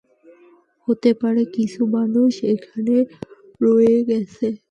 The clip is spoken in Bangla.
হতে পারে কিছু মানুস এখনো রয়ে গেছে।